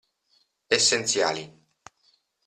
Essenziali.